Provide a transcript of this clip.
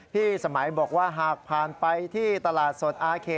พี่สมัยบอกว่าหากผ่านไปที่ตลาดสดอาเค